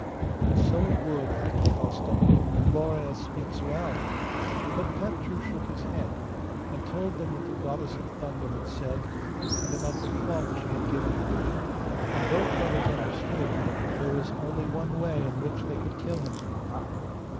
'So it would,' added Costan. 'Florea speaks well.' But Petru shook his head, and told them what the Goddess of Thunder had said, and about the cloth she had given him. And both brothers understood there was only one way in which they could kill him.